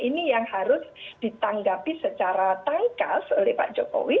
ini yang harus ditanggapi secara tangkas oleh pak jokowi